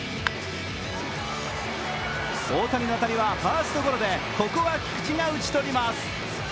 大谷の当たりはファーストゴロでここは菊池が打ち取ります。